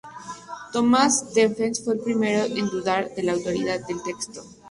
Thomas Stephens fue el primero en dudar de la autenticidad del texto.